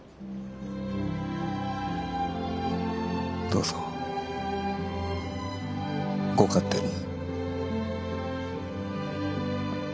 どうぞご勝手に。